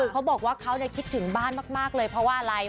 เขาบอกว่าเขาคิดถึงบ้านมากเลยเพราะว่าอะไร